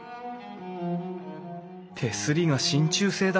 手すりがしんちゅう製だ。